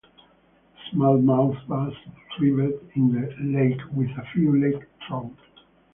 Smallmouth bass thrive in the lake, with a few lake trout.